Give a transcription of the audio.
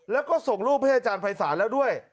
แล้วก็ส่งรูปให้อาจารย์ภัยศาลแล้วด้วย